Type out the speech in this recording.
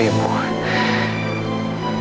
kurasa pusaka ibu